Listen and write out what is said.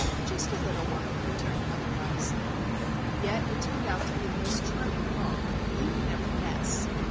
"Just a little one," returned mother, modestly. Yet it turned out to be the most charming of all. You would never guess!